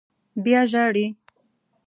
_بيا ژاړې!